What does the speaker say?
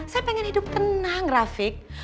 saya pengen hidup tenang rafiq